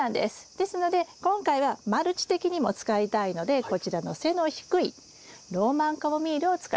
ですので今回はマルチ的にも使いたいのでこちらの背の低いローマンカモミールを使います。